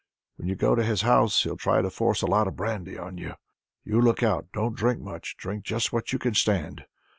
When you go to his house he'll try to force a lot of brandy on you. You look out, don't drink much, drink just what you can stand.